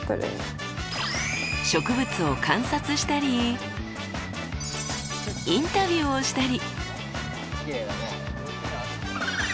植物を観察したりインタビューをしたり。